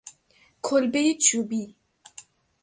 کلبهی چوبی